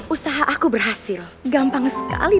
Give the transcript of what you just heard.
usaha aku berhasil gampang sekali